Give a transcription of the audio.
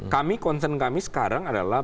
kami concern kami sekarang adalah